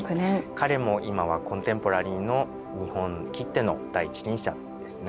彼も今はコンテンポラリーの日本きっての第一人者ですね。